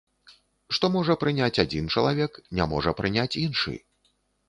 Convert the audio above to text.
Што можа прыняць адзін чалавек, не можа прыняць іншы.